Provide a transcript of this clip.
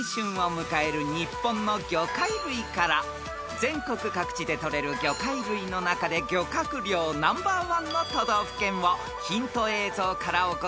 ［全国各地でとれる魚介類の中で漁獲量ナンバーワンの都道府県をヒント映像からお答えください］